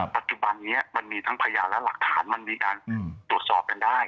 ปัจจุบันนี้มันมีทั้งพยานและหลักฐานมันมีการตรวจสอบกันได้